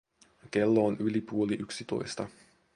Kello on yli puoli yksitoista.